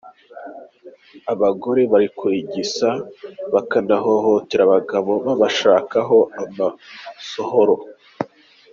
Abagore bari kurigisa bakanahohotera abagabo babashakaho amasohoro